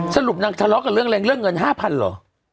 สรุปนั้นทะเลาะกับเรื่องอะไรเรื่องเงิน๕๐๐๐บาทเหรอ